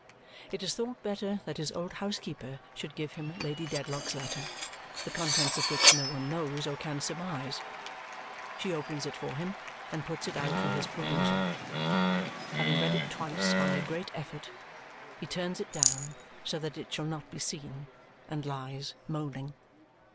It is thought better that his old housekeeper should give him Lady Dedlock's letter, the contents of which no one knows or can surmise. She opens it for him and puts it out for his perusal. Having read it twice by a great effort, he turns it down so that it shall not be seen and lies moaning.